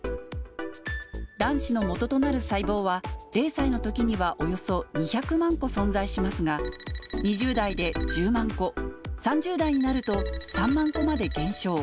卵子の元となる細胞は、０歳のときにはおよそ２００万個存在しますが、２０代で１０万個、３０代になると３万個まで減少。